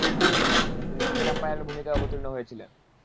তিনি ক্রিকেট আম্পায়ারের ভূমিকায় অবতীর্ণ হয়েছিলেন তিনি।